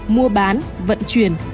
mua bán vận chuyển